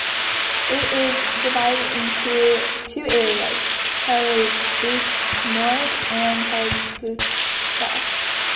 It is divided into two areas: Coyote Buttes North and Coyote Buttes South.